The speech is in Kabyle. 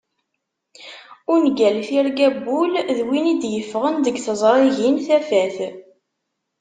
Ungal tirga n wul d win i d-yeffɣen deg tiẓrigin Tafat.